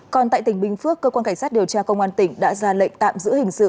còn tại tỉnh bình phước cơ quan cảnh sát điều tra công an tỉnh đã ra lệnh tạm giữ hình sự